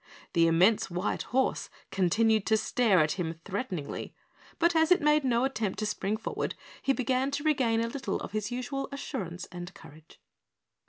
The immense white horse continued to stare at him threateningly, but as it made no attempt to spring forward he began to regain a little of his usual assurance and courage.